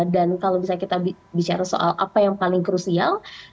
dan kalau misalnya kita bicara soal apa yang paling krusial